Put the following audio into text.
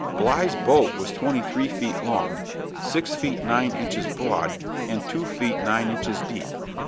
Bligh's boat was twenty three feet long, six feet nine inches broad, and two feet nine inches deep.